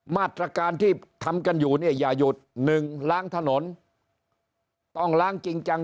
มาตรการที่ทำกันอยู่เนี่ยอย่าหยุดหนึ่งล้างถนนต้องล้างจริงจัง